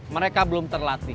mereka belum terlatih